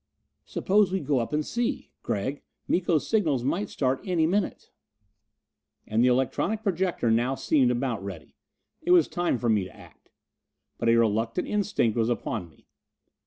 "Suppose we go up and see? Gregg, Miko's signals might start any minute." And the electronic projector now seemed about ready. It was time for me to act. But a reluctant instinct was upon me.